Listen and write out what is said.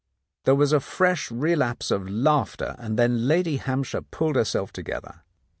There was a fresh relapse of laughter, and then Lady Hampshire pulled herself together.